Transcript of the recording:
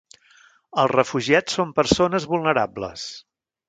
Els refugiats són persones vulnerables.